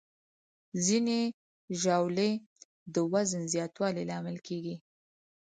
ځینې ژاولې د وزن زیاتوالي لامل کېږي.